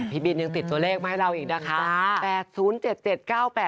พี่บินยังติดตัวเลขมาให้เราอีกนะคะ